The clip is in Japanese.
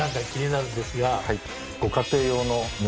ご家庭用の。